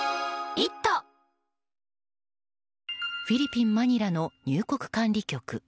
フィリピン・マニラの入国管理局。